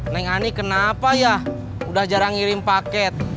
neng ani kenapa ya udah jarang ngirim paket